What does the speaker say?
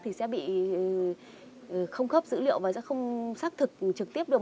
thì sẽ bị không khớp dữ liệu và sẽ không xác thực trực tiếp được